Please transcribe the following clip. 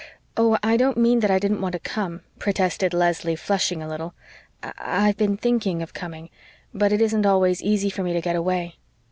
"Oh, I don't mean that I didn't want to come," protested Leslie, flushing a little. "I I've been thinking of coming but it isn't always easy for me to get away."